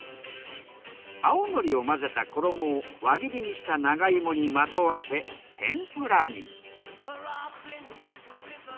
青海苔を混ぜた衣を輪切りにした長芋にまとわせ天ぷらに。